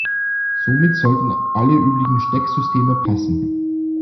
Somit sollten alle üblichen Stecksysteme passen.